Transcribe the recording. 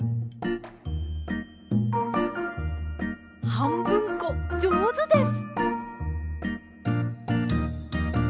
はんぶんこじょうずです。